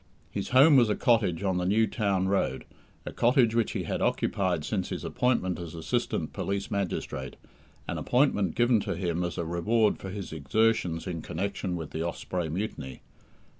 His home was a cottage on the New Town Road a cottage which he had occupied since his appointment as Assistant Police Magistrate, an appointment given to him as a reward for his exertions in connection with the Osprey mutiny.